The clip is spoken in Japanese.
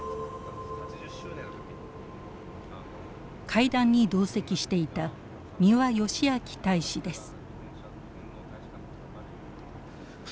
会談に同席していた三輪芳明大使です。